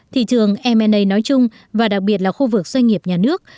thị trường m a nói chung và đặc biệt là khu vực doanh nghiệp nhà nước